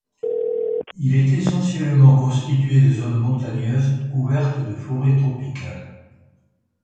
Il est essentiellement constitué de zones montagneuses couvertes de forêt tropicale.